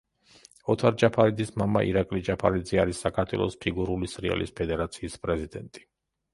ოთარ ჯაფარიძის მამა ირაკლი ჯაფარიძე არის საქართველოს ფიგურული სრიალის ფედერაციის პრეზიდენტი.